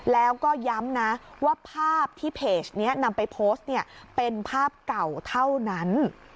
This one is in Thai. แล้วก็ย้ำนะว่าภาพที่เพจนี้นำไปโพสต์เนี่ยเป็นภาพเก่าเท่านั้น